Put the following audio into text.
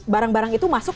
barang barang itu masuk